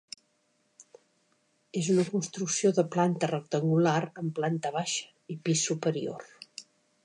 És una construcció de planta rectangular amb planta baixa i pis superior.